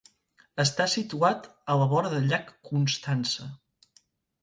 Està situat a la vora del llac Constança.